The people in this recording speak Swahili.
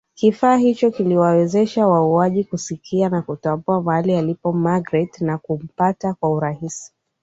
Kifaa hicho kiliwawezesha wauwaji kusikia na kutambua mahali alipo Magreth na kumpata kwa urahisi